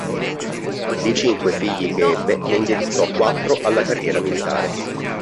Di cinque figli che ebbe, ne indirizzò quattro alla carriera militare.